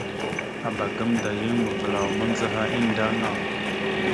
Abak gamənda yan mavəlaw mandzəha endeŋa.